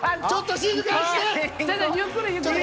ちょっと！